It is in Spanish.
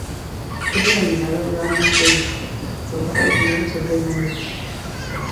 Es denominado "Rodman Passage" por Estados Unidos y el Reino Unido.